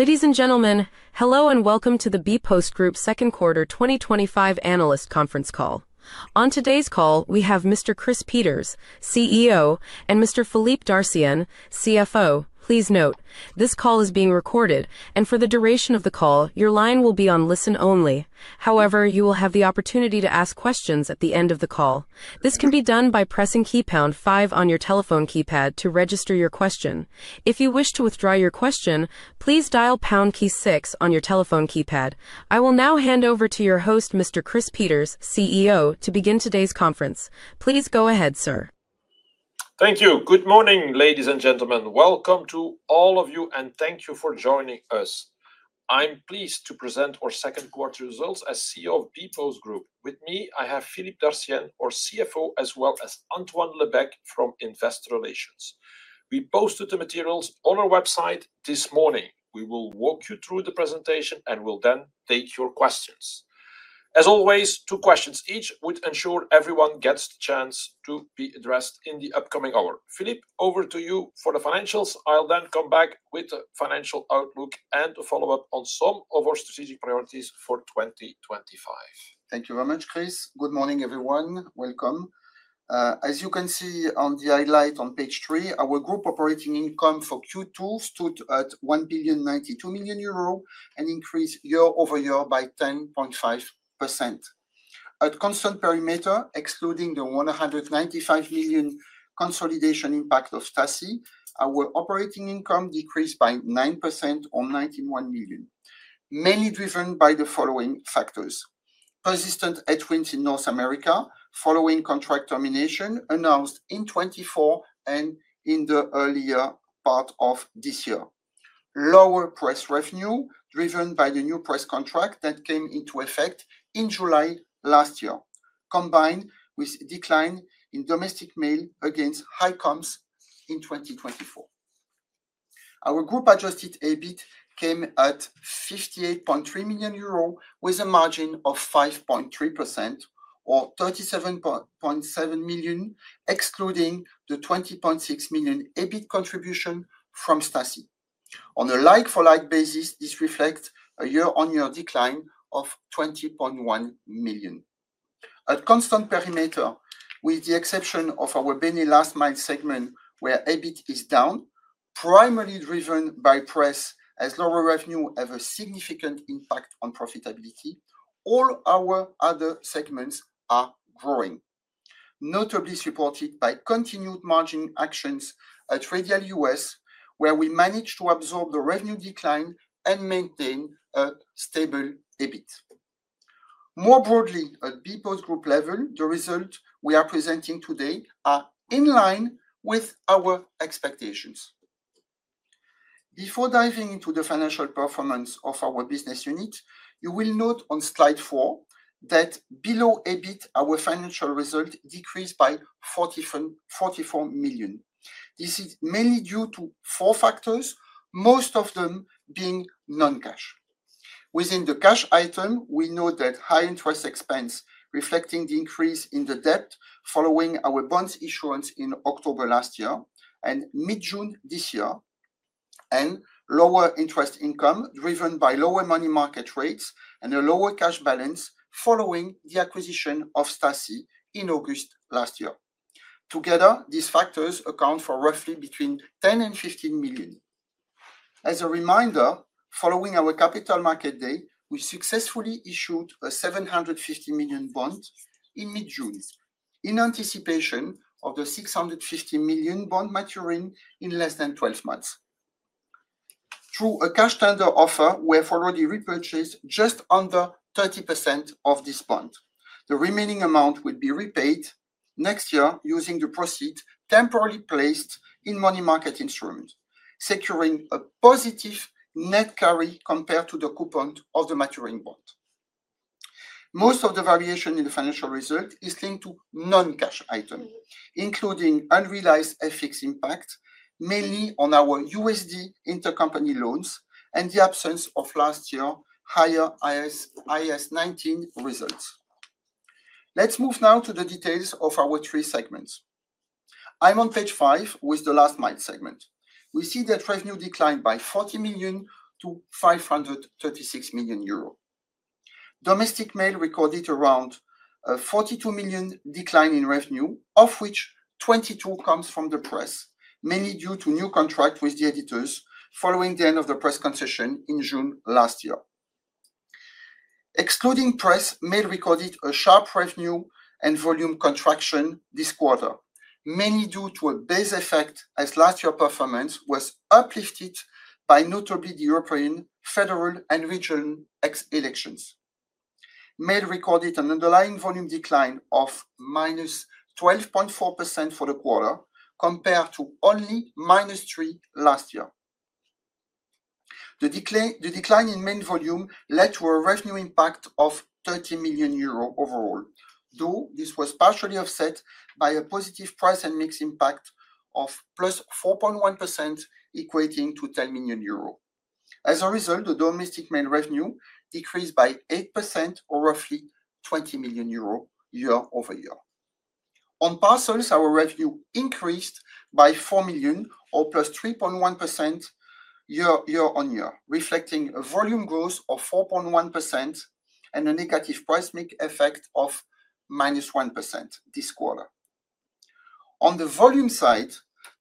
Ladies and gentlemen, hello and welcome to the bpostgroup Second Quarter 2025 Analyst Conference Call. On today's call we have Mr. Chris Peeters, CEO, and Mr. Philippe Dartienne, CFO. Please note this call is being recorded, and for the duration of the call your line will be on listen only. However, you will have the opportunity to ask questions at the end of the call. This can be done by pressing key pound five on your telephone keypad to register your question. If you wish to withdraw your question, please dial pound key six on your telephone keypad. I will now hand over to your host, Mr. Chris Peeters, CEO, to begin today's conference. Please go ahead, sir. Thank you. Good morning ladies and gentlemen. Welcome to all of you and thank you for joining us. I'm pleased to present our Second Quarter Results as CEO of bpostgroup. With me I have Philippe Dartienne, our CFO, as well as Antoine Lebecq from Investor Relations. We posted the materials on our website this morning. We will walk you through the presentation and will then take your questions. As always, two questions each would ensure everyone gets the chance to be addressed in the upcoming hour. Philippe, over to you for the financials. I'll then come back with the financial outlook and a follow up on some of our strategic priorities for 2025. Thank you very much, Chris. Good morning everyone. Welcome. As you can see on the highlight on page 3, our group operating income for Q2 stood at 1,092,000,000 euro, an increase year-over-year by 10.5% at constant perimeter. Excluding the 195 million consolidation impact of Staci, our operating income decreased by 9% or 91 million, mainly driven by the following factors, persistent headwinds in North America following contract termination announced in 2024 and in the earlier part of this year, lower price revenue driven by the new price contract that came into effect in July last year combined with decline in domestic mail against high comps in 2024. Our group adjusted EBIT came at 58.3 million euro with a margin of 5.3% or 37.7 million excluding the 20.6 million EBIT contribution from Staci on a like-for-like basis. This reflects a year on year decline of 20.1 million at constant perimeter with the exception of our BeNe Last Mile segment where EBIT is down, primarily driven by press as lower revenue have a significant impact on profitability. All our other segments are growing, notably supported by continued margin actions at Radial US where we managed to absorb the revenue decline and maintain a stable EBIT. More broadly at bpostgroup level, the results we are presenting today are in line with our expectations. Before diving into the financial performance of our business unit, you will note on slide four that below EBIT our financial result decreased by 44 million. This is mainly due to four factors, most of them being non-cash. Within the cash item we note that high interest expense reflecting the increase in the debt following our bond issuances in October last year and mid-June this year and lower interest income driven by lower money market rates and a lower cash balance following the acquisition of Staci in August last year. Together these factors account for roughly between 10 million and 15 million. As a reminder, following our capital market day, we successfully issued a 750 million bond in mid-June in anticipation of the 650 million bond maturing in less than 12 months. Through a cash tender offer, we have already repurchased just under 30% of this bond. The remaining amount will be repaid next year using the proceeds temporarily placed in money market instruments, securing a positive net carry compared to the coupon of the maturing bond. Most of the variation in the financial result is linked to non-cash items, including unrealized FX impact mainly on our USD intercompany loans and the absence of last year higher IAS 19 results. Let's move now to the details of our three segments. I'm on page five. With the Last Mile segment, we see that revenue declined by 40 million to 536 million euro. Domestic mail recorded around a 42 million decline in revenue, of which 22 million comes from the press, mainly due to new contracts with the editors following the end of the press concession in June last year. Excluding press, mail recorded a sharp revenue and volume contraction this quarter, mainly due to a base effect as last year performance was uplifted by notably the European Federal and Regional elections. Mail recorded an underlying volume decline of -12.4% for the quarter compared to only -3% last year. The decline in mail volume led to a revenue impact of 30 million euros overall, though this was partially offset by a positive price and mix impact of +4.1%, equating to 10 million euro. As a result, the domestic mail revenue decreased by 8% or roughly 20 million euro year-over-year. On parcels, our revenue increased by 4 million or +3.1% year on year, reflecting a volume growth of 4.1% and a negative price/mix effect of -1% this quarter. On the volume side,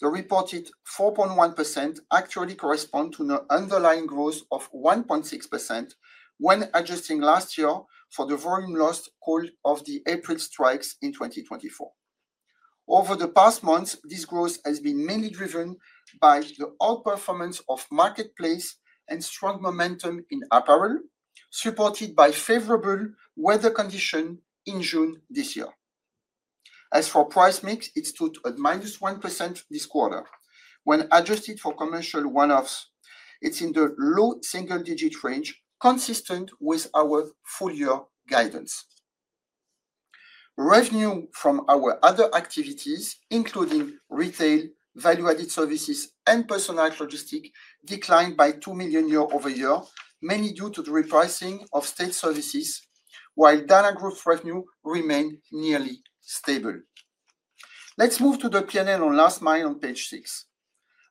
the reported 4.1% actually corresponds to an underlying growth of 1.6% when adjusting last year for the volume loss caused by the April strikes in 2024. Over the past month, this growth has been mainly driven by the outperformance of marketplace and strong momentum in apparel, supported by favorable weather conditions in June this year. As for price/mix, it stood at -1% this quarter. When adjusted for commercial one-offs, it's in the low single digit range, consistent with our full year guidance. Revenue from our other activities, including retail, value-added services, and personal logistics, declined by 2 million euros year-over-year, mainly due to the repricing of state services, while DynaGroup's revenue remained nearly stable. Let's move to the BeNe Last Mile on page six.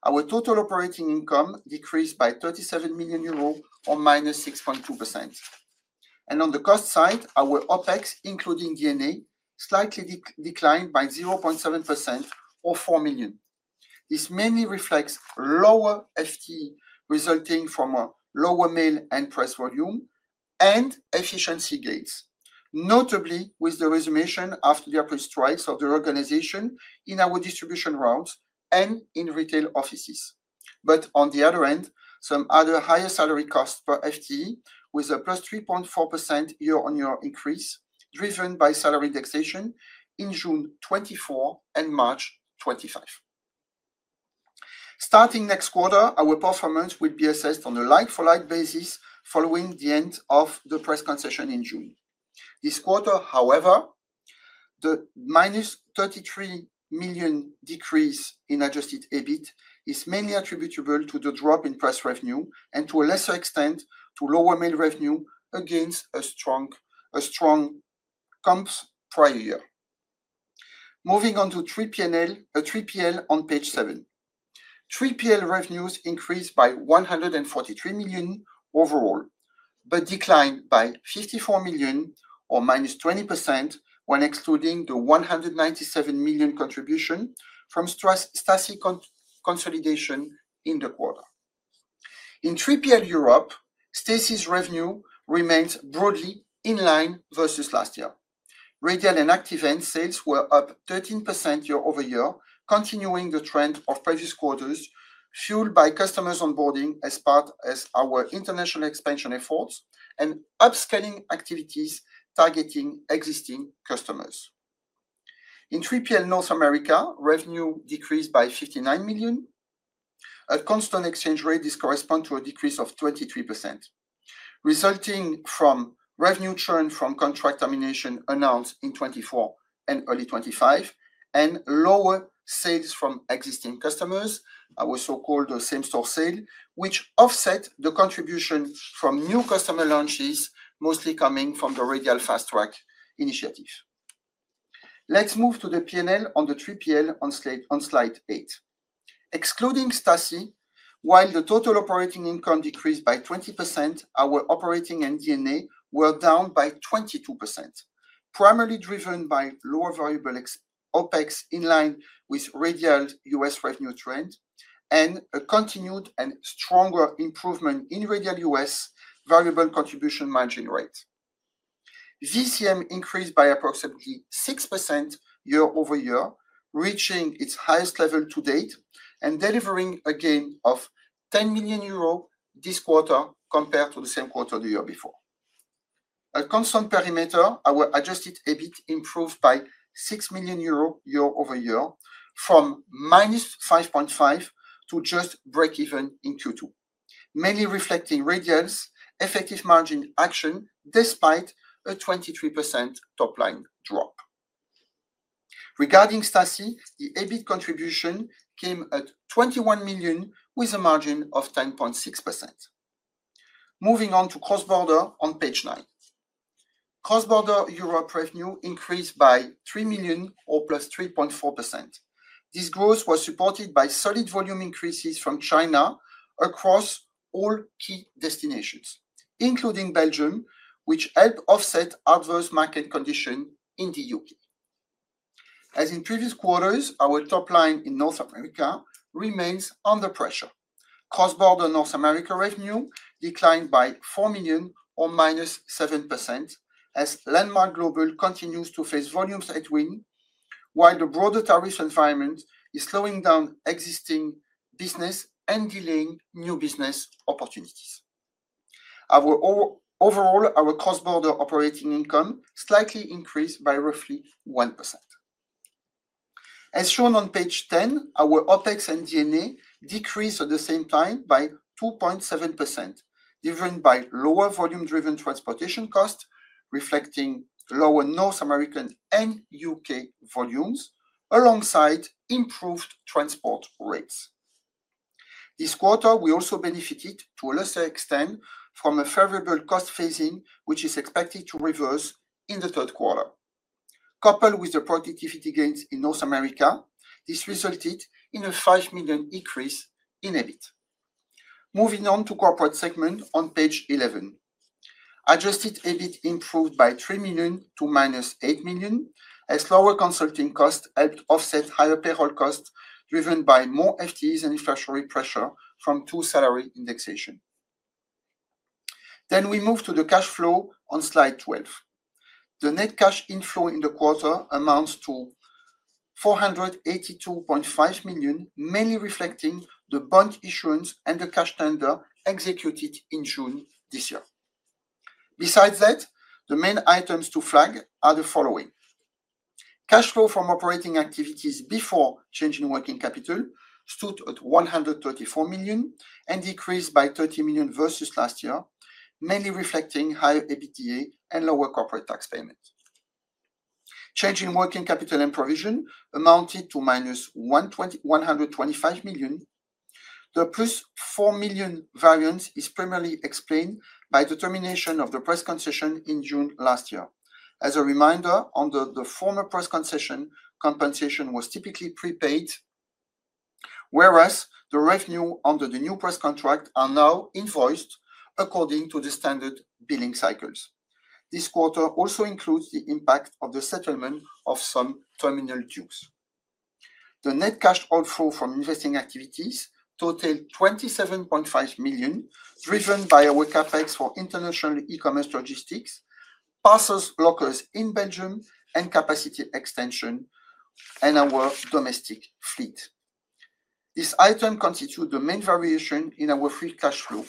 Our total operating income decreased by 37 million euros or -6.2%, and on the cost side, our OpEx including D&A slightly declined by 0.7% or 4 million. This mainly reflects lower FTE resulting from lower mail and parcel volume and efficiency gains, notably with the resumption after the appraised trials of the organization in our distribution rounds and in retail offices. On the other hand, some other higher salary costs per FTE with a +3.4% year-on-year increase driven by salary indexation in June 2024 and March 2025. Starting next quarter, our performance will be assessed on a like-for-like basis following the end of the press concession in June this quarter. However, the -33 million decrease in adjusted EBIT is mainly attributable to the drop in parcel revenue and to a lesser extent to lower mail revenue against a strong comps prior year. Moving on to 3PL, on page seven, 3PL revenues increased by 143 million overall but declined by 54 million or -20% when excluding the 197 million contribution from Staci consolidation in the quarter. In 3PL Europe, Staci's revenue remains broadly in line versus last year. Radial and Active Ants sales were +13% year-over-year, continuing the trend of previous quarters fueled by customers onboarding as part of our international expansion efforts and upscaling activities targeting existing customers. In 3PL North America, revenue decreased by 59 million at constant exchange rate. This corresponds to a decrease of 23% resulting from revenue churn from contract termination announced in 2024 and early 2025 and lower sales from existing customers. We so-called the same store sale which offset the contribution from new customer launches mostly coming from the Radial Fast Track initiative. Let's move to the P&L on the 3PL on slide eight. Excluding Staci, while the total operating income decreased by 20%, our operating MD were down by 22% primarily driven by lower variable OpEx in line with Radial US revenue trend and a continued and stronger improvement in Radial US variable contribution margin rate. VCM increased by approximately 6% year-over-year, reaching its highest level to date and delivering a gain of 10 million euros this quarter compared to the same quarter the year before. At constant perimeter, our adjusted EBIT improved by 6 million euro year-over-year from -5.5 million to just breakeven in Q2, mainly reflecting Radial's effective margin action despite a 23% top line drop. Regarding Staci, the EBIT contribution came at 21 million with a margin of 10.6%. Moving on to cross-border on page nine, cross-border Europe revenue increased by 3 million or +3.4%. This growth was supported by solid volume increases from China across all key destinations including Belgium, which helped offset adverse market conditions in the U.K. As in previous quarters, our top line in North America remains under pressure. Cross-border North America revenue declined by 4 million or -7% as Landmark Global continues to face volumes at wind, while the broader tariff environment is slowing down existing business and delaying new business opportunities. Overall, our cross-border operating income slightly increased by roughly 1%, as shown on page 10. Our OpEx and D&A decreased at the same time by 2.7%, driven by lower volume-driven transportation costs reflecting lower North American and U.K. volumes alongside improved transport rates. This quarter, we also benefited to a lesser extent from a favorable cost phasing, which is expected to reverse in the third quarter. Coupled with the productivity gains in North America, this resulted in a 5 million increase in EBIT. Moving on to the corporate segment on page 11, adjusted EBIT improved by 3 million to -8 million, as lower consulting costs helped offset higher payroll costs driven by more FTEs and inflationary pressure from two salary indexations. We move to the cash flow on slide 12. The net cash inflow in the quarter amounts to 482.5 million, mainly reflecting the bond issuance and the cash tender executed in June this year. Besides that, the main items to flag are the cash flow from operating activities before change in working capital stood at 134 million and decreased by 30 million versus last year, mainly reflecting higher EBITDA and lower corporate tax payment. Change in working capital and provision amounted to -125 million. The plus 4 million variance is primarily explained by the termination of the press concession in June last year. As a reminder, under the former press concession, compensation was typically prepaid, whereas the revenue under the new press contract is now invoiced according to the standard billing cycles. This quarter also includes the impact of the settlement of some terminal dues. The net cash outflow from investing activities totaled 27.5 million, driven by our CapEx for international e-commerce logistics parcels, brokers in Belgium, and capacity extension in our domestic fleet. This item constitutes the main variation in our free cash flow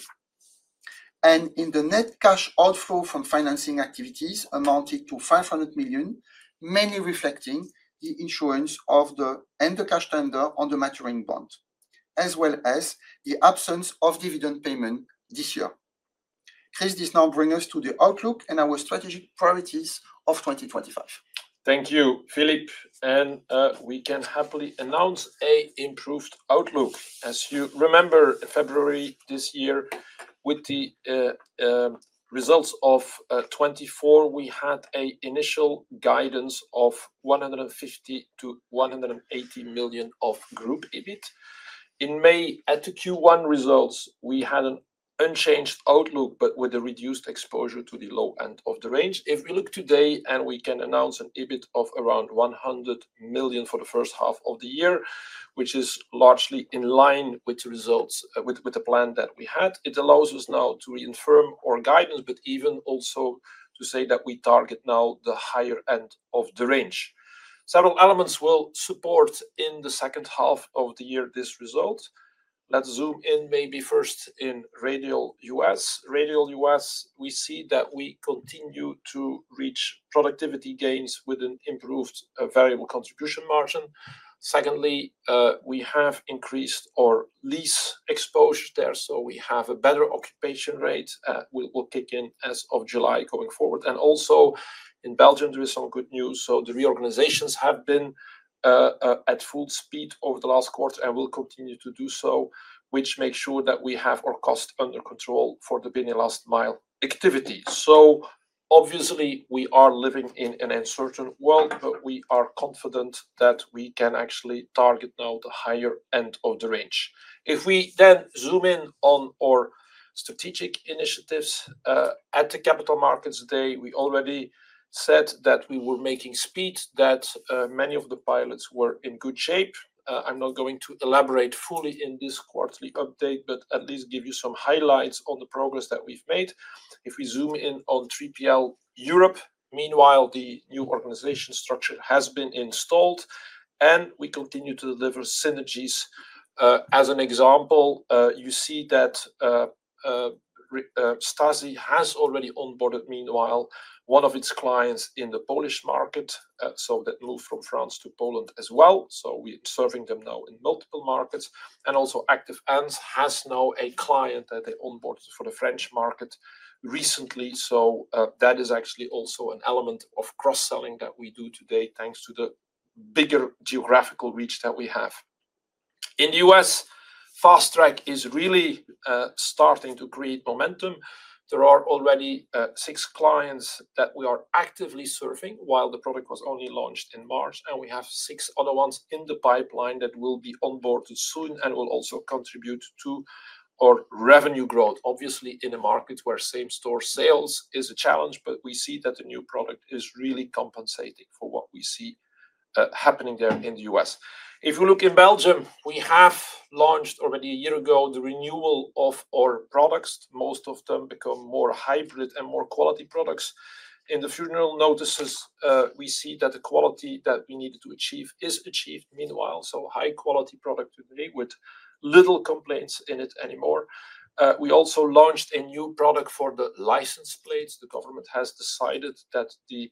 and in the net cash outflow from financing activities amounted to 500 million, mainly reflecting the insurance of the entire cash tender on the maturing bond as well as the absence of dividend payment this year. This now brings us to the outlook and our strategic priorities of 2025. Thank you, Philippe. We can happily announce an improved outlook. As you remember, in February this year with the results of 2024, we had an initial guidance of 150 million-180 million of group EBIT. In May at the Q1 results, we had an unchanged outlook but with a reduced exposure to the low end of the range. If we look today, we can announce an EBIT of around 100 million for the first half of the year, which is largely in line with the results with the plan that we had. It allows us now to reaffirm our guidance but even also to say that we target now the higher end of the range. Several elements will support in the second half of the year this result. Let's zoom in maybe first in Radial US. At Radial US, we see that we continue to reach productivity gains with an improved variable contribution margin. Secondly, we have increased our lease exposure there, so we have a better occupation rate that will kick in as of July going forward. Also, in Belgium there is some good news. The reorganizations have been at full speed over the last quarter and will continue to do so, which makes sure that we have our cost under control for the BeNe Last Mile activity. Obviously, we are living in an uncertain world, but we are confident that we can actually target now the higher end of the range. If we then zoom in on our strategic initiatives, at the Capital Markets Day we already said that we were making speed, that many of the pilots were in good shape. I'm not going to elaborate fully in this quarterly update, but at least give you some highlights on the progress that we've made. If we zoom in on 3PL Europe, meanwhile the new organization structure has been installed and we continue to deliver synergies. As an example, you see that Staci has already onboarded meanwhile one of its clients in the Polish market, so that moved from France to Poland as well. We are serving them now in multiple markets, and also Active Ants has now a client that they onboarded for the French market recently. That is actually also an element of cross-selling that we do today thanks to the bigger geographical reach that we have. In the U.S., Fast Track is really starting to create momentum. There are already six clients that we are actively serving while the product was only launched in March. We have six other ones in the pipeline that will be onboarded soon and will also contribute to our revenue growth. Obviously in a market where same store sales is a challenge, but we see that the new product is really compensating for what we see happening there in the U.S. If you look in Belgium, we have launched already a year ago the renewal of our products. Most of them become more hybrid and more quality products. In the funeral notices we see that the quality that we needed to achieve is achieved. Meanwhile, high quality product to believe with little complaints in it anymore. We also launched a new product for the license plates. The government has decided that the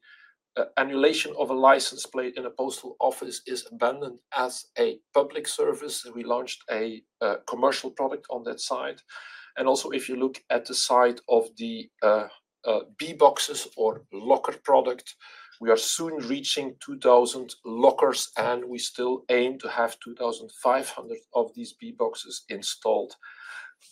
emulation of a license plate in a postal office is abandoned as a public service. We launched a commercial product on that side. If you look at the side of the bboxes or locker product, we are soon reaching 2,000 lockers and we still aim to have 2,500 of these bboxes installed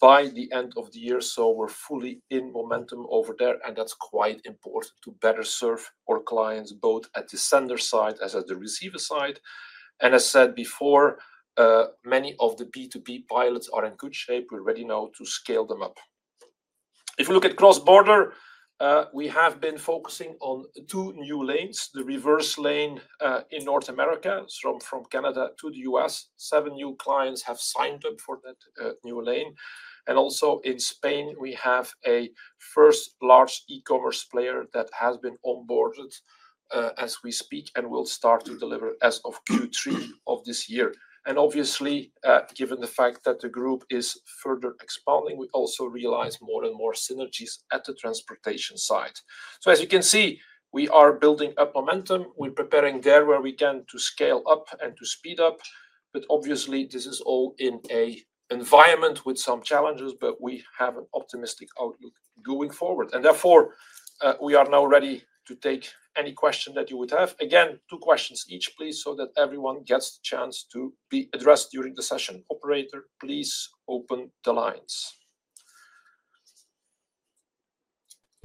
by the end of the year. We are fully in momentum over there and that's quite important. To better serve our clients both at the sender side as at the receiver side. As said before, many of the B2 pilots are in good shape. We already know to scale them up. If we look at cross-border, we have been focusing on two new lanes, the reverse lane in North America from Canada to the U.S. Seven new clients have signed up for that new lane. In Spain we have a first large e-commerce player that has been onboarded as we speak and will start to deliver as of Q3 of this year. Obviously, given the fact that the group is further expanding, we also realize more and more synergies at the transportation side. As you can see, we are building up momentum. We're preparing there where we can to scale up and to speed up. This is all in an environment with some challenges. We have an optimistic outlook going forward and therefore we are now ready to take any question that you would have. Again, two questions each please, so that everyone gets the chance to be addressed during the session. Operator, please open the lines.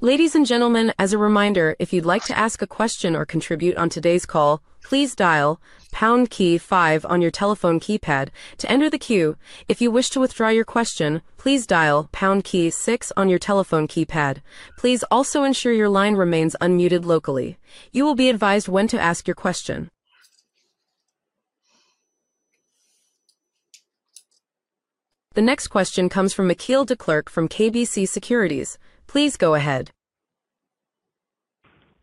Ladies and gentlemen, as a reminder, if you'd like to ask a question or contribute on today's call, please dial pound key five on your telephone keypad to enter the queue. If you wish to withdraw your question, please dial pound key six on your telephone keypad. Please also ensure your line remains unmuted locally. You will be advised when to ask your question. The next question comes from Michiel Declercq from KBC Securities. Please go ahead.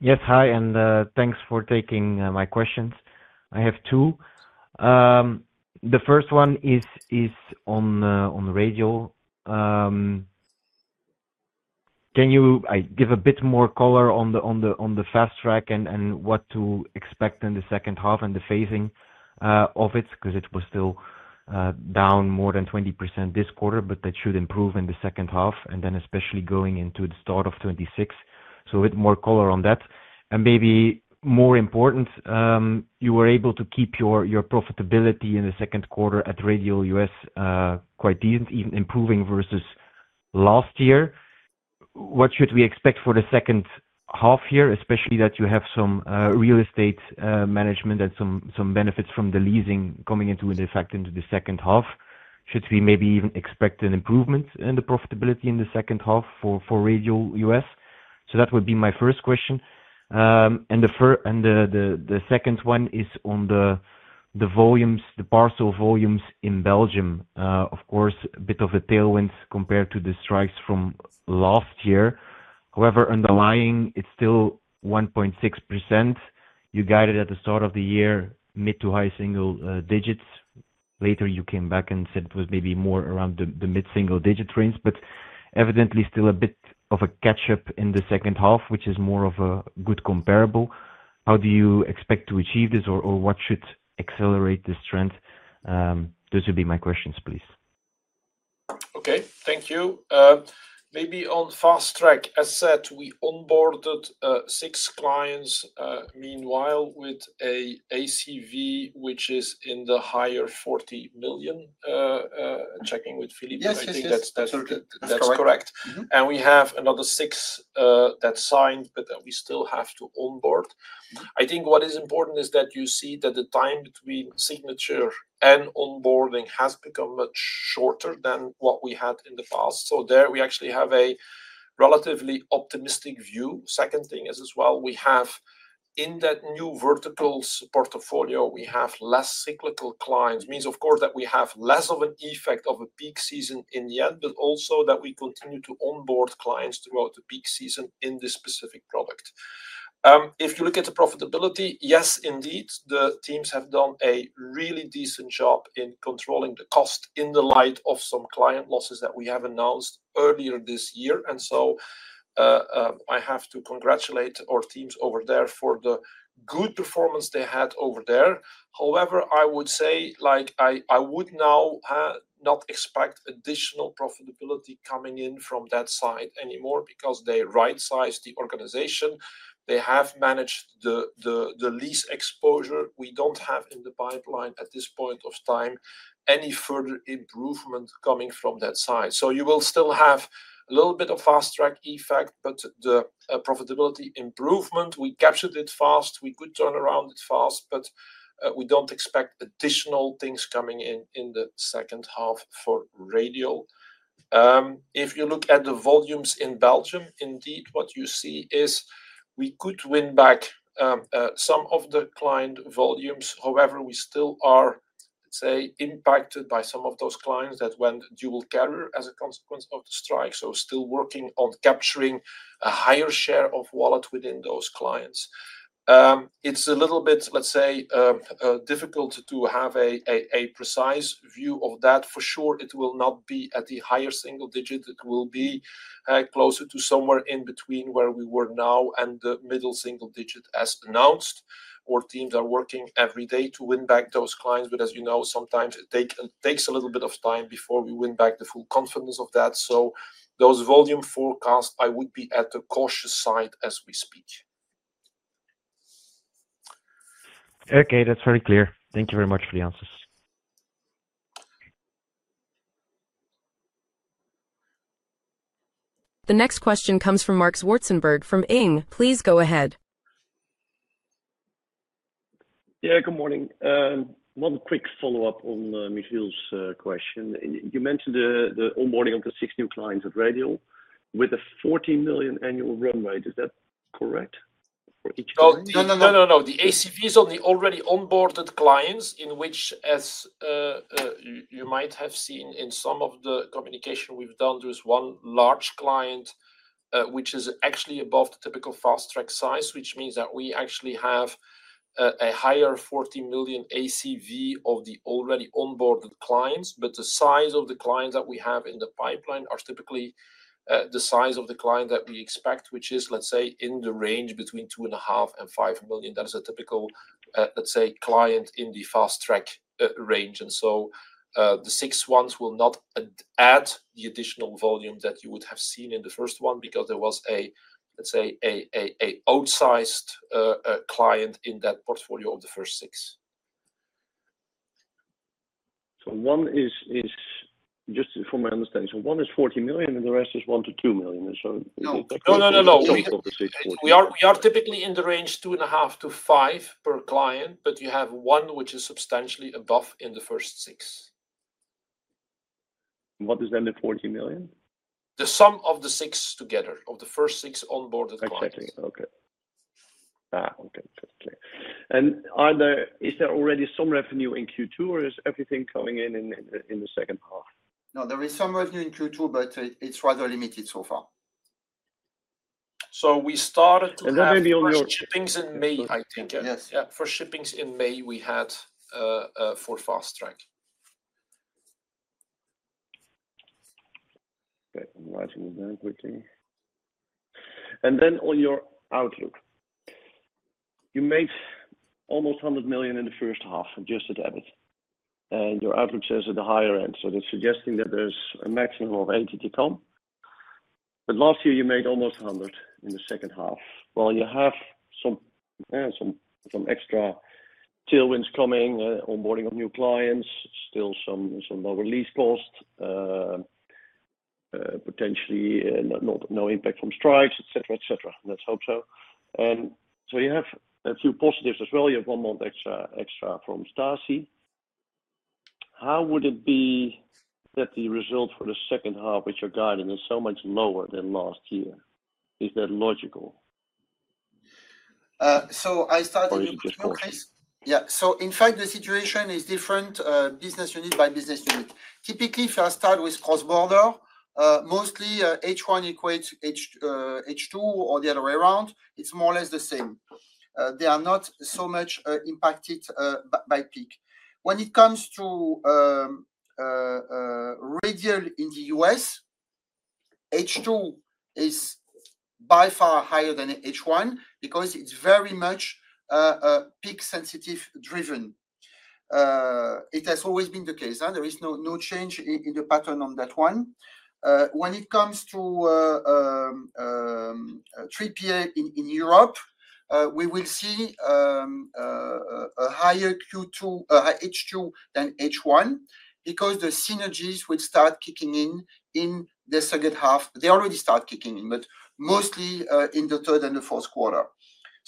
Yes, hi and thanks for taking my questions. I have two. The first one is on Radial. Can you give a bit more color on the Fast Track? And what to expect in the second half and the phasing of it because it was still down more than 20% this quarter. That should improve in the second half and then especially going into the start of 2026. A bit more color on that and maybe more important, you were able to keep your profitability in the second quarter at Radial US quite improving versus last year. What should we expect for the second half here? Especially that you have some real estate management and some benefits from the leasing coming into effect into the second half. Should we maybe even expect an improvement in the profitability in the second half for Radial US? That would be my first question. The second one is on the parcel volumes in Belgium, of course a bit of a tailwind compared to the strikes from last year. However, underlying it's still 1.6%. You guided at the start of the year mid to high single digits, later you came back and said it was maybe more around the mid single digit range, but evidently still a bit of a catch up in the second half, which is more of a good comparable. How do you expect to achieve this? What should accelerate this trend? Those would be my questions, please. Okay, thank you. Maybe on Fast Track, we onboarded six clients, meanwhile with an ACV which is in the higher 40 million. Checking with Philippe, I think that's correct. We have another six that signed but that we still have to onboard. I think what is important is that you see that the time between signature and onboarding has become much shorter than what we had in the past. There we actually have a relatively optimistic view. Second thing is as well, we have in that new vertical portfolio, we have less cyclical clients. Means of course that we have less of an effect of a peak season in the end, but also that we continue to onboard clients throughout the peak season in this specific product. If you look at the profitability, yes indeed, the teams have done a really decent job in controlling the cost in the light of some client losses that we have announced earlier this year. I have to congratulate our teams over there for the good performance they had over there. However, I would say I would now not expect additional profitability coming in from that side anymore because they right size the organization, they have managed the lease exposure, we don't have in the pipeline at this point of time any further improvement coming from that side. You will still have a little bit of Fast Track effect, but the profitability improvement, we captured it fast, we could turn around fast, but we don't expect additional things coming in in the second half. For Radial, if you look at the volumes in Belgium, indeed what you see is we could win back some of the client volumes. However, we still are impacted by some of those clients that went dual carrier as a consequence of strike. Still working on capturing a higher share of wallet within those clients. It's a little bit, let's say, difficult to have a precise view of that. For sure it will not be at the higher single digit. It will be closer to somewhere in between where we were now and the middle single digit as announced. Our teams are working every day to win back those clients. As you know, sometimes it takes a little bit of time before we win back the full confidence of that. Those volume forecasts, I would be at the cautious side as we speak. Okay, that's very clear. Thank you very much for the answers. The next question comes from Marc Zwartsenburg from ING. Please go ahead. Yeah, good morning. One quick follow-up on Michiel's question. You mentioned the onboarding of the six new clients at Radial US with a 14 million annual run rate, is that correct? The ACVs on the already onboarded clients, in which, as you might have seen in some of the communication we've done, there's one large client which is actually above the typical Fast Track size, which means that we actually have a higher 40 million ACV of the already onboarded clients. The size of the clients that we have in the pipeline are typically the size of the client that we expect, which is, let's say, in the range between 2.5 million and 5 million. That is a typical, let's say, client in the Fast Track range. The six ones will not add the additional volume that you would have seen in the first one because there was, let's say, an outsized client in that portfolio of the first six. One is just from my understanding, one is 40 million and the rest is 1 million-2 million. We are typically in the range of 2.5-5 per client, but you have one which is substantially above in the first six. What is then the 40 million? The sum of the six together of the first six onboarded clients. Exactly. Okay. Is there already some revenue in Q2, or is everything coming in now? There is some revenue in Q2, but it's rather limited so far. We started, and that may be on your shippings in May, I think. Yes, for shippings in May we had for Fast Track. Okay, I'm watching it then quickly. On your outlook, you made almost 100 million in the first half, just adjusted EBIT. Your average says at the higher end, they're suggesting that there's a maximum of 80 million to come. Last year you made almost 100 million in the second half. You have some extra tailwinds coming, onboarding of new clients, still some lower lease cost, potentially no impact from strikes, etc. Let's hope so. You have a few positives as well. You have one month extra from Staci. How would it be that the result for the second half which you're guiding is so much lower than last year? Is that logical? In fact, the situation is different business unit by business unit. Typically, if I start with cross-border, mostly H1 equates H2 or the other way around, it's more or less the same. They are not so much impacted by peak. When it comes to Radial US, H2 is by far higher than H1 because it's very much peak sensitive driven. It has always been the case, there is no change in the pattern on that one. When it comes to 3PL in Europe, we will see a higher Q2 H2 than H1 because the synergies would start kicking in in the second half. They already start kicking in, but mostly in the third and the fourth quarter.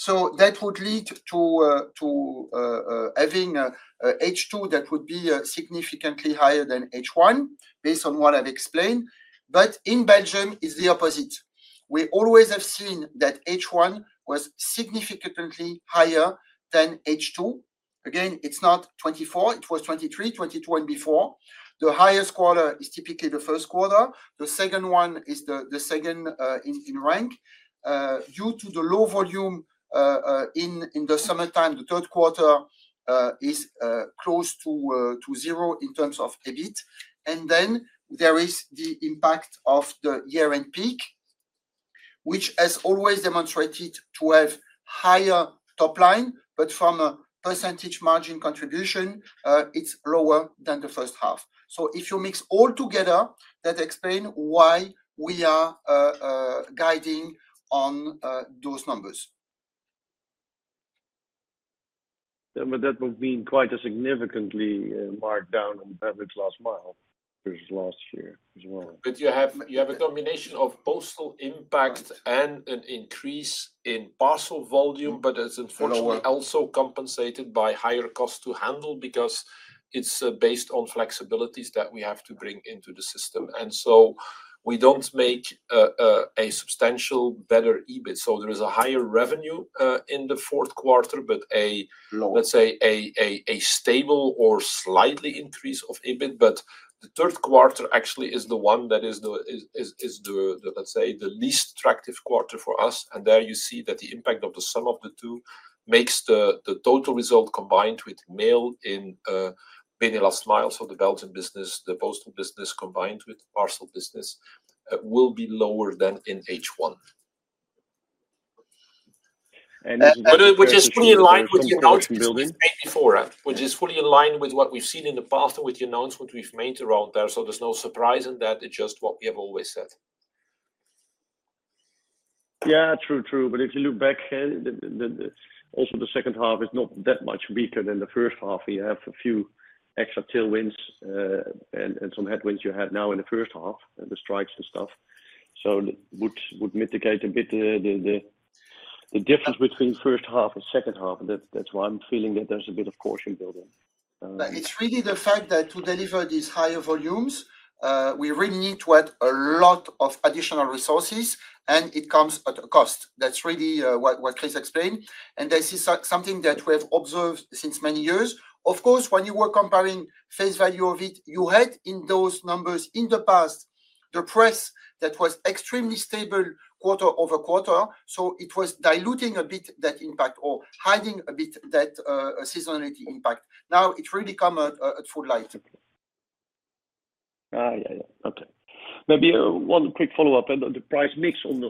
That would lead to having H2 that would be significantly higher than H1 based on what I've explained. In Belgium, it's the opposite. We always have seen that H1 was significantly higher than H2. Again, it's not 2024, it was 2023, 2022, and before. The highest quarter is typically the first quarter. The second one is the second in rank due to the low volume in the summertime. The third quarter is close to zero in terms of EBITDA. Then there is the impact of the year-end peak, which has always demonstrated to have higher top line. From a percentage margin contribution, it's lower than the first half. If you mix all together, that explains why we are guiding on those numbers. That would mean quite a significantly marked down on average last mile. There's lots here as well. You have a domination of postal impact and an increase in parcel volume. It's unfortunately also compensated by higher cost to handle because it's based on flexibilities that we have to bring into the system, and we don't make a substantial better EBIT. There is a higher revenue in the fourth quarter, but a, let's say, a stable or slightly increase of EBIT. The third quarter actually is the one that is, let's say, the least attractive quarter for us. There you see that the impact of the sum of the two makes the total result combined with mail in BeNe Last Mile of the Belgian business. The postal business combined with parcel business will be lower than in page one, which is fully in line with what we've seen in the past and with the announcement we've made around there. There's no surprise in that. It's just what we have always said. Yeah, true, true. If you look back, also the second half is not that much weaker than the first half. We have a few extra tailwinds and some headwinds you had now in the first half and the strikes and stuff, which would mitigate a bit the difference between first half and second half. That's why I'm feeling that there's a bit of caution building. It's really the fact that to deliver these higher volumes, we really need to add a lot of additional resources, and it comes at a cost. That's really what Chris explained. This is something that we have observed since many years. Of course, when you were comparing face value of it, you read in those numbers in the past the press that was extremely stable quarter-over-quarter, so it was diluting a bit that impact or hiding a bit that seasonality impact. Now it's really come at full life. Okay, maybe one quick follow up. The price mix on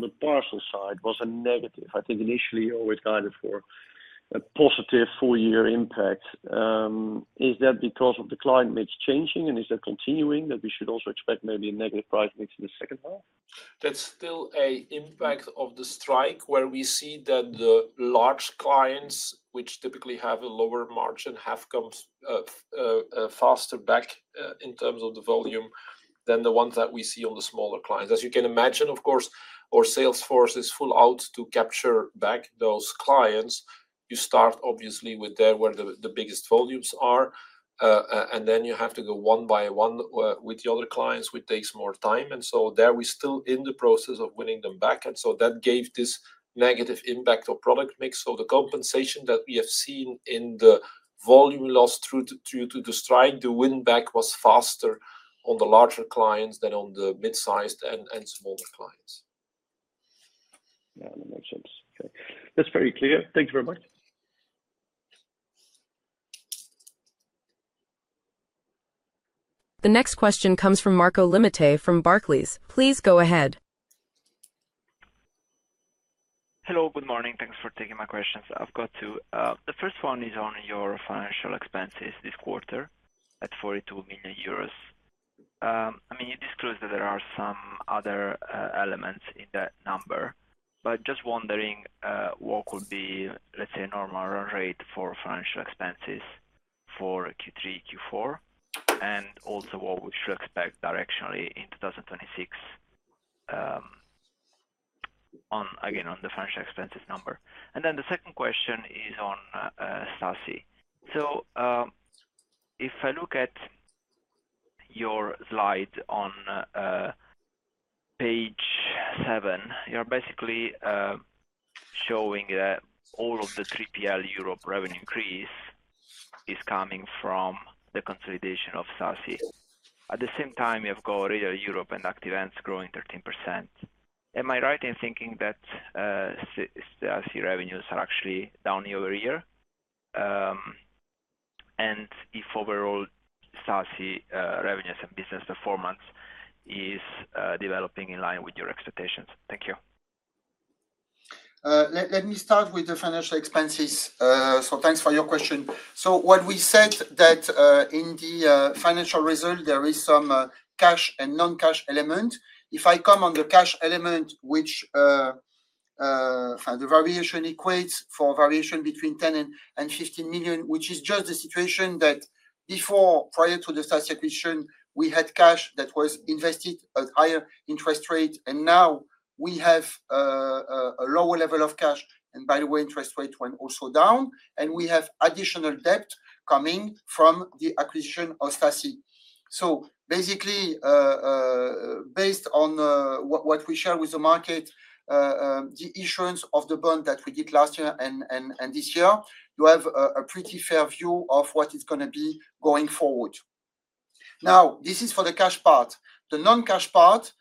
the parcel side was a negative. I think initially always guided for a positive full year impact. Is that because of the client mix changing, and is that continuing that we should also expect maybe a negative price mix in the second half? That's still an impact of the strike, where we see the large clients, which typically have a lower margin, have come faster back in terms of the volume than the ones that we see on the smaller clients. As you can imagine, of course, our salesforce is full out to capture back those clients. You start obviously there where the biggest volumes are, and then you have to go one by one with the other clients, which takes more time. We are still in the process of winning them back. That gave this negative impact of product mix. The compensation that we have seen in the volume loss due to the strike, the win back was faster on the larger clients than on the mid-sized and smaller clients. That's very clear. Thank you very much. The next question comes from Marco Limite from Barclays. Please go ahead. Hello, good morning. Thanks for taking my questions. I've got two. The first one is on your financial expenses this quarter at 42 million euros. I mean it disclosed that there are some other elements in that number, but just wondering what could be, let's say, a normal run rate for financial expenses for Q3, Q4, and also what we should expect directionally in 2026. Again on the financial expenses number. The second question is on Staci. If I look at your slide on page seven, you are basically showing that all of the 3PL Europe revenue increase is coming from the consolidation of Staci. At the same time, you've got Radial Europe and Active Ants growing 13%. Am I right in thinking that Staci revenues are actually down year-over-year and if overall Staci revenues and business performance is developing in line with your expectations. Thank you. Let me start with the financial expenses. Thanks for your question. What we said is that in the financial result there is some cash and non-cash element. If I come on the cash element, which the variation equates for variation between 10 million and 15 million, which is just the situation that before, prior to the Staci acquisition, we had cash that was invested at higher interest rate and now we have a lower level of cash and, by the way, interest rates went also down and we have additional debt coming from the acquisition of Staci. Basically, based on what we share with the market, the issuance of the bond that we did last year and this year, you have a pretty fair view of what is going to be going forward. This is for the cash part. The non-cash part,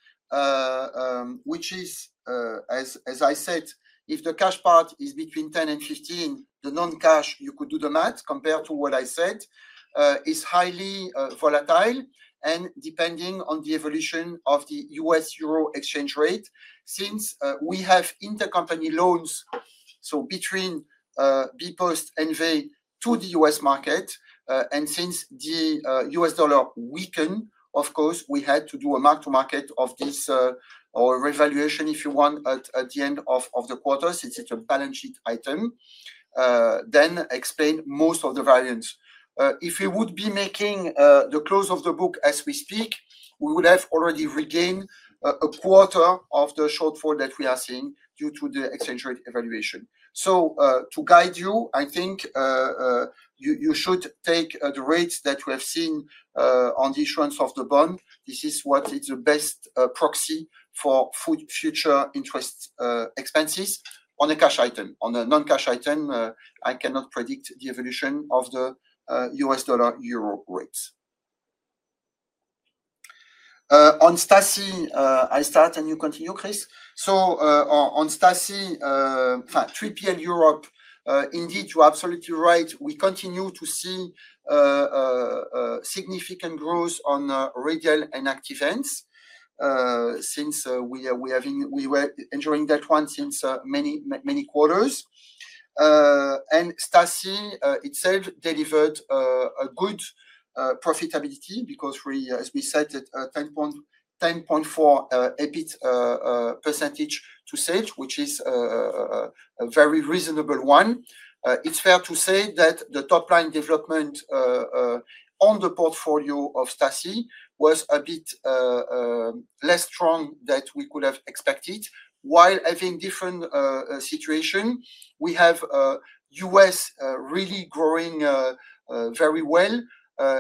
which is, as I said, if the cash part is between 10 million and 15 million, the non-cash, you could do the math compared to what I said, is highly volatile and depending on the evolution of the U.S. euro exchange rate since we have intercompany loans, so between bpost [NV] to the U.S. market, and since the U.S. dollar weakened, of course we had to do a mark to market of this or revaluation if you want, at the end of the quarter, since it's a balance sheet item, then explain most of the variance. If we would be making the close of the book as we speak, we would have already regained a quarter of the shortfall that we are seeing due to the exchange rate evaluation. To guide you, I think you should take the rates that we have seen on the issuance of the bond. This is what is the best proxy for future interest expenses on a cash item. On a non-cash item, I cannot predict the evolution of the U.S. dollar euro rates. On Staci, I start and you continue, Chris. On Staci 3PL and Europe, indeed you're absolutely right. We continue to see significant growth on Radial and Active Ants since we were enjoying that one since many quarters, and Staci itself delivered a good profitability because we, as we said, 10.4% EBIT to Staci, which is a very reasonable one. It's fair to say that the top line development on the portfolio of Staci was a bit less strong than we could have expected while having different situation. We have U.S. really growing very well,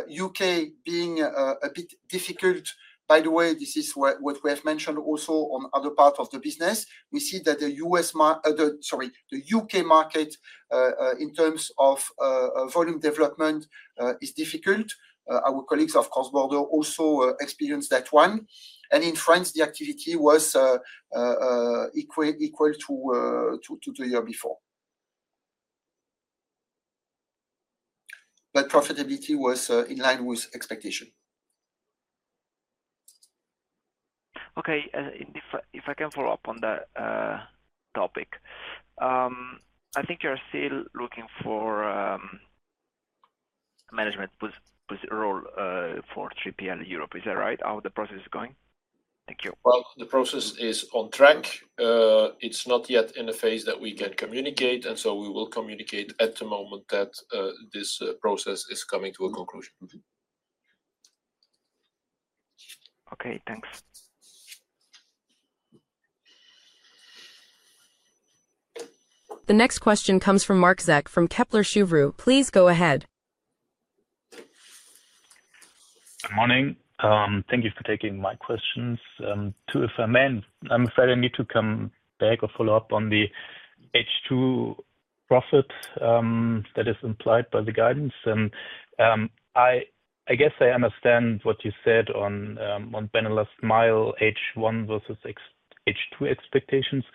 U.K. being a bit difficult. By the way, this is what we have mentioned also on other part of the business. We see that the U.K. market in terms of volume development is difficult. Our colleagues of cross-border also experienced that one, and in France the activity was equal to the year before but profitability was in line with expectation. Okay, if I can follow up on that topic. I think you're still looking for management with role for 3PL Europe, is that right? How is the process going? Thank you. The process is on track. It's not yet in the phase that we can communicate, and we will communicate at the moment that this process is coming to a conclusion. Okay, thanks. The next question comes from Marc Zeck from Kepler Cheuvreux. Please go ahead. Good morning. Thank you for taking my questions. I'm afraid I need to come back or follow up on the H2 profit. That is implied by the guidance. I guess I understand what you said on BeNe Last Mile H1 versus H2 expectations,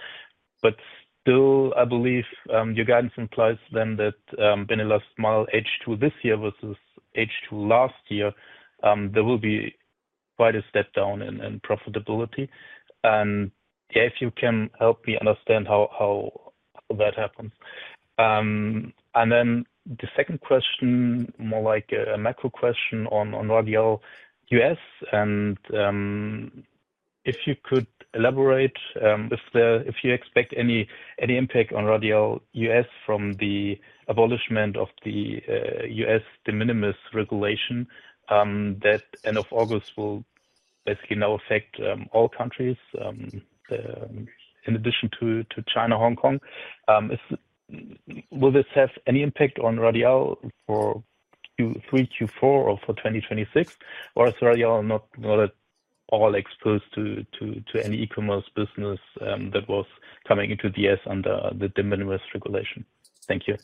but still I believe your guidance implies then that BeNe Last Mile H2 this year versus H2 last year there will be quite a step down in profitability, and if you can help me understand how that happens. The second question, more like a macro question on Radial US, and if you could elaborate if you expect any impact on Radial US from the abolishment of the U.S. de minimis regulation that end of August will basically now affect all countries in addition to China, Hong Kong. Will this have any impact on Radial for Q3, Q4 or for 2026, or is Radial not at all exposed to any e-commerce business that was coming into the U.S. under the de minimis regulation? Thank you.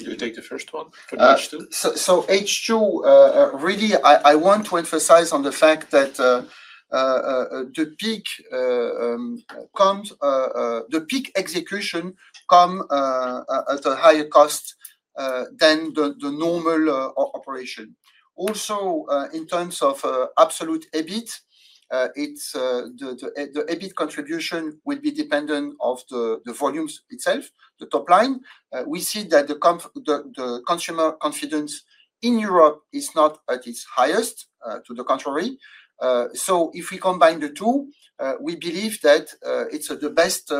You take the first one. H2, I want to emphasize the fact that the peak execution comes at a higher cost than the normal operation. Also, in terms of absolute EBIT, the EBIT contribution will be dependent on the volumes themselves. The top line, we see that the consumer confidence in Europe is not at its highest, to the contrary. If we combine the two, we believe that it's the best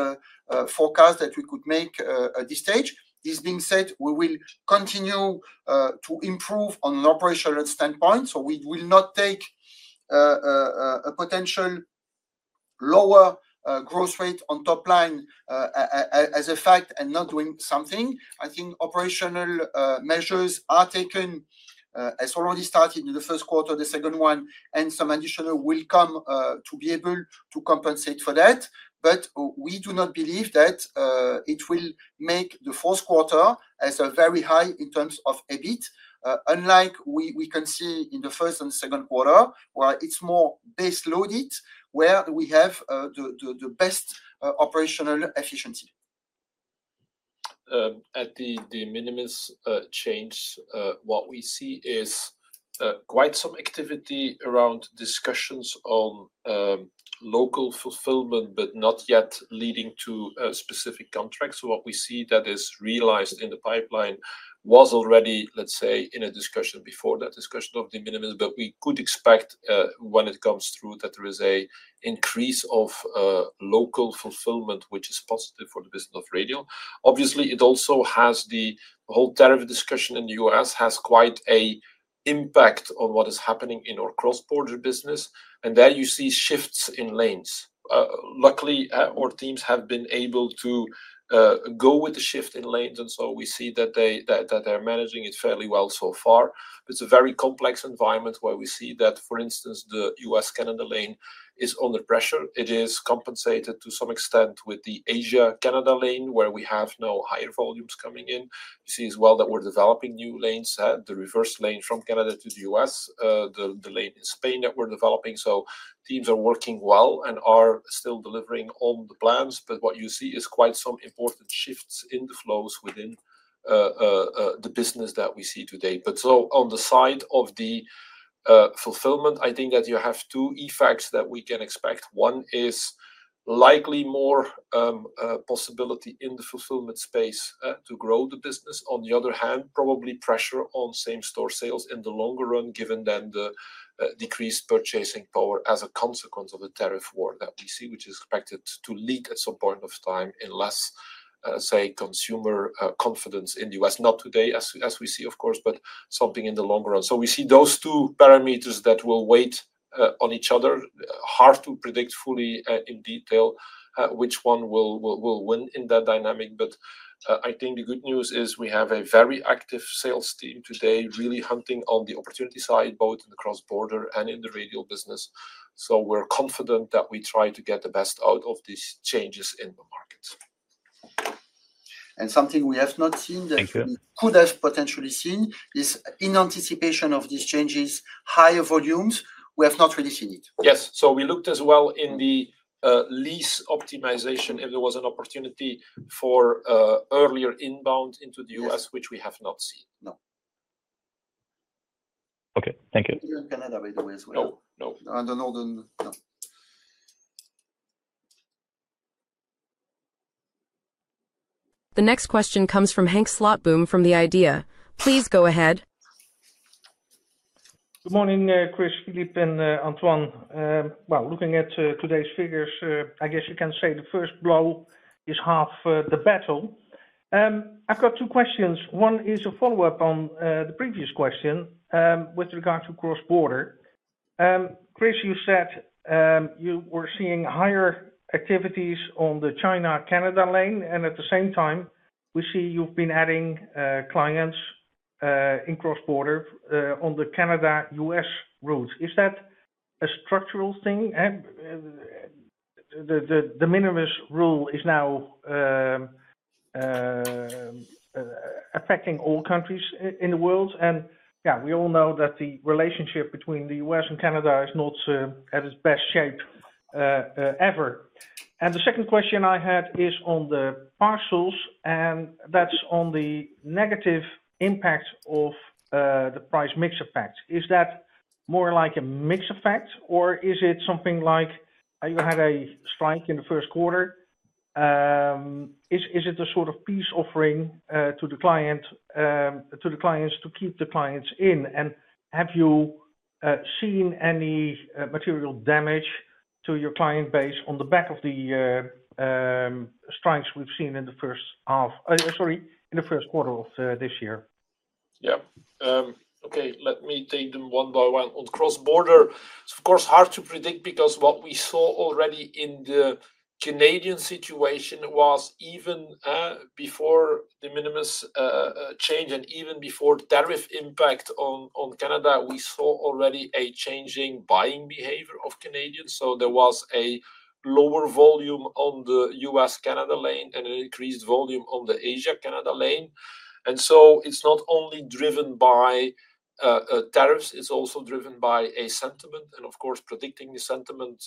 forecast that we could make at this stage. This being said, we will continue to improve on an operational standpoint. We will not take a potential lower growth rate on top line as a fact and not do something. I think operational measures are taken, as already started in the first quarter. The second one and some additional will come to be able to compensate for that. We do not believe that it will make the fourth quarter very high in terms of EBIT, unlike what we can see in the first and second quarter where it's more base loaded, where we have the best operational efficiency. At the de minimis change. What we see is quite some activity around discussions on local fulfillment but not yet leading to specific contracts. What we see that is realized in the pipeline was already, let's say, in a discussion before that discussion of the de minimis. We could expect when it comes through that there is an increase of local fulfillment, which is positive for the business of Radial US. Obviously, the whole tariff discussion in the U.S. has quite an impact on what is happening in our cross-border business. You see shifts in lanes. Luckily, our teams have been able to go with the shift in lanes, and we see that they're managing it fairly well so far. It's a very complex environment where we see that, for instance, the U.S.-Canada lane is under pressure. It is compensated to some extent with the Asia-Canada lane, where we have now higher volumes coming in. We see as well that we're developing new lanes: the reverse lane from Canada to the U.S., the lane in Spain that we're developing. Teams are working well and are still delivering on the plans. What you see is quite some important shifts in the flows within the business that we see today. On the side of the fulfillment, I think that you have two effects that we can expect. One is likely more possibility in the fulfillment space to grow the business. On the other hand, probably pressure on same store sales in the longer run given the decreased purchasing power as a consequence of a tariff war that we see, which is expected to leak at some point in time unless, say, consumer confidence in the U.S.—not today as we see, of course, but something in the long run. We see those two parameters that will weigh on each other. Hard to predict fully in detail which one will win in that dynamic. I think the good news is we have a very active sales team today really hunting on the opportunity side, both in the cross-border and in the Radial US business. We're confident that we try to get the best out of these changes in markets. Something we have not seen, that could have potentially seen is in anticipation of these changes, higher volumes. We have not really seen it. Yes. We looked as well in the lease optimization if there was an opportunity for earlier inbound into the U.S., which we have not seen. No. Okay, thank you. Canada, by the way, as well. No, no. Under Northern. The next question comes from Henk Slotboom from the IDEA!. Please go ahead. Good morning, Chris, Philippe and Antoine. Looking at today's figures, I guess you can say the first blow is half the battle. I've got two questions. One is a follow up on the previous question with regard to cross-border. Chris, you said you were seeing higher activities on the China-Canada lane and at the same time we see you've been adding clients in cross-border on the Canada-U.S. routes. Is that a structural thing? The de minimis rule is now affecting all countries in the world. We all know that the relationship between the U.S. and Canada is not at its best shape ever. The second question I had is on the parcels and that's on the negative impact of the price mix effect. Is that more like a mix effect or is it something like I even had a strike in the first quarter? Is it a sort of peace offering to the clients to keep the clients in? Have you seen any material damage to your client base on the back of the strikes we've seen in the first quarter of this year? Yeah. Okay, let me take them one by one on cross-border. It's of course hard to predict because what we saw already in the Canadian situation was even before de minimis change and even before tariff impact on Canada, we saw already a changing buying behavior of Canadians. There was a lower volume on the U.S.-Canada lane and an increased volume on the Asia-Canada lane. It's not only driven by tariffs, it's also driven by sentiment. Of course, predicting the sentiment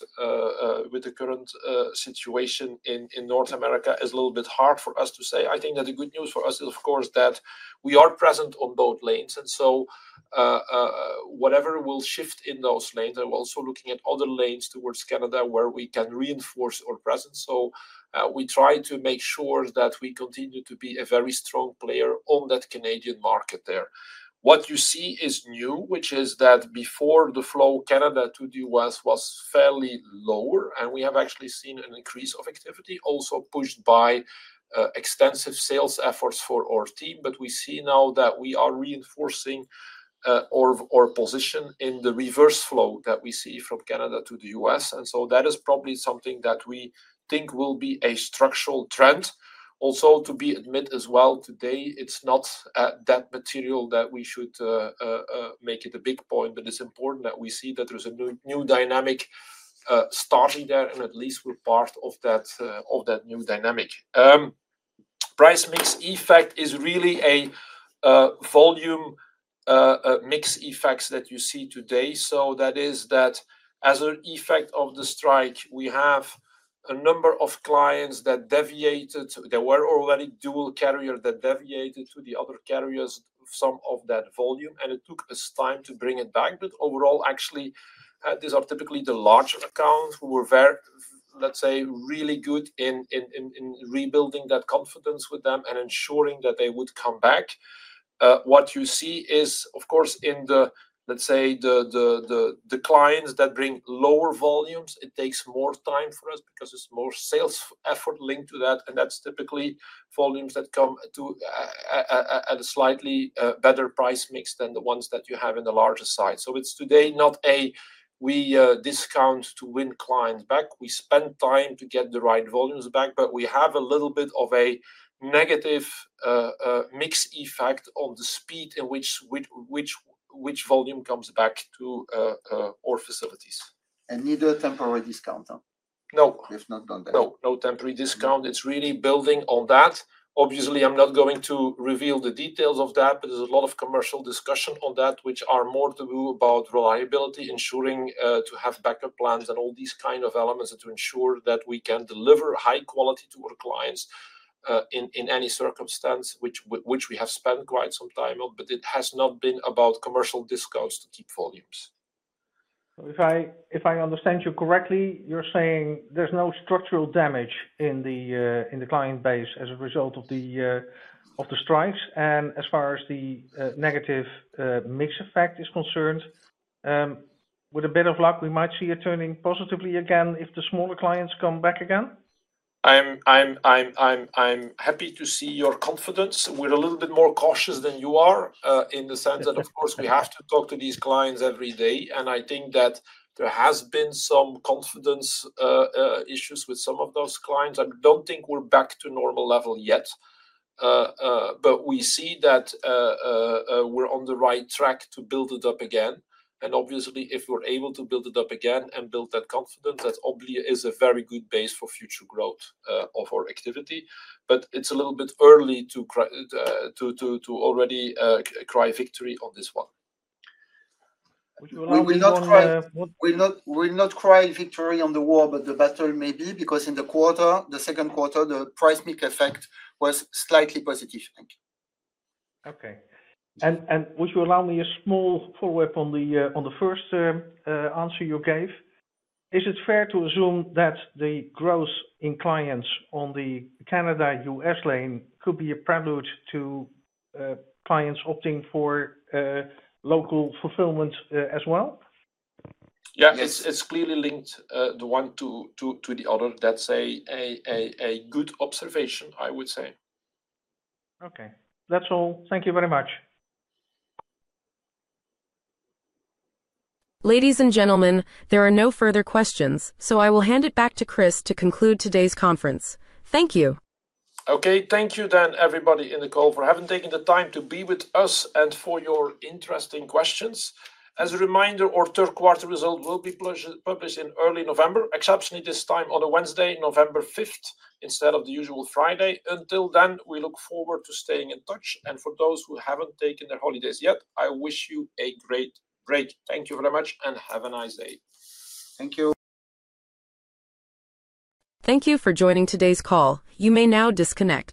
with the current situation in North America is a little bit hard for us to say. I think that the good news for us is of course that we are present on both lanes, so whatever will shift in those lanes and also looking at other lanes towards Canada where we can reinforce our presence. We try to make sure that we continue to be a very strong player on that Canadian market. What you see is new, which is that before the flow Canada to the U.S. was fairly lower and we have actually seen an increase of activity also pushed by extensive sales efforts for our team. We see now that we are reinforcing our position in the reverse flow that we see from Canada to the U.S., and that is probably something that we think will be a structural trend also to be admit as well today. It's not that material that we should make it a big point, but it's important that we see that there's a new dynamic starting there and at least we're part of that new dynamic. Price mix effect is really a volume mix effect that you see today. That is an effect of the strike. We have a number of clients that deviated. There were already dual carrier that deviated to the other carriers some of that volume and it took us time to bring it back. Overall, actually these are typically the larger accounts who were, let's say, really good in rebuilding that confidence with them and ensuring that they would come back. What you see is of course in the, let's say, the clients that bring lower volumes. It takes more time for us because it's more sales effort linked to that. That's typically volumes that come at a slightly better price mix than the ones that you have in the larger site. It's today not a we discount to win clients back. We spend time to get the right volumes back. We have a little bit of a negative mix effect on the speed in which volume comes back to our facilities. Neither temporary discount. No, we have not done that. No temporary discount. It's really building on that. Obviously I'm not going to reveal the details of that, but there's a lot of commercial discussion on that, which are more to do about reliability, ensuring to have backup plans and all these kind of elements to ensure that we can deliver high quality to our clients in any circumstance, which we have spent quite some time. It has not been about commercial discounts to keep volumes. If I understand you correctly, you're saying there's no structural damage in the client base as a result of the strikes. As far as the negative mix effect is concerned, with a bit of luck we might see it turning positively again if the smaller clients come back again. I'm happy to see your confidence. We're a little bit more cautious than you are in the sense that, of course, we have to talk to these clients every day. I think that there have been some confidence issues with some of those clients. I don't think we're back to normal level yet, but we see that we're on the right track to build it up again. Obviously, if we're able to build it up again and build that confidence, that is a very good base for future growth of our activity. It's a little bit early to already cry victory on this one. Would you allow me? We will not cry victory on the war, but the battle may be because in the quarter, the second quarter, the price/mix effect was slightly positive. Okay, would you allow me a small follow-up on the first answer you gave? Is it fair to assume that the growth in clients on the Canada-U.S. lane could be a prelude to clients opting for local fulfillment as well? Yeah, it's clearly linked, the one to the other. That's a good observation, I would say. Okay, that's all. Thank you very much. Ladies and gentlemen, there are no further questions, so I will hand it back to Chris to conclude today's conference. Thank you. Okay, thank you then, everybody in the call for having taken the time to be with us and for your interesting questions. As a reminder, our third quarter result will be published in early November, exceptionally this time on a Wednesday, November 5th, instead of the usual Friday. Until then, we look forward to staying in touch. For those who haven't taken their holidays yet, I wish you a great break. Thank you very much and have a nice day. Thank you. Thank you for joining today's call. You may now disconnect.